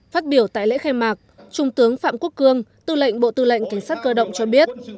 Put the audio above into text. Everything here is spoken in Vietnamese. phát biểu tại lễ khai mạc trung tướng phạm quốc cương tư lệnh bộ tư lệnh cảnh sát cơ động cho biết